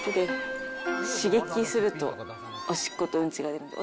刺激すると、おしっことうんちが出るんで。